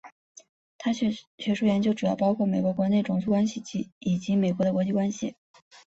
他的学术研究主要包括美国国内种族关系以及美国的国际关系。